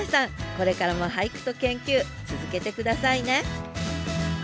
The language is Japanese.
これからも俳句と研究続けて下さいね！